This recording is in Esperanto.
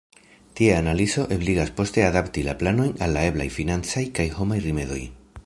Tia analizo ebligas poste adapti la planojn al la eblaj financaj kaj homaj rimedoj.